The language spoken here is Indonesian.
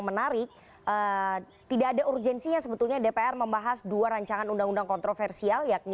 maksa dan negara